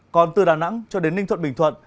còn từ đà nẵng cho đến ninh thuận bình thuận